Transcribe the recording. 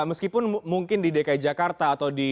meskipun mungkin di dki jakarta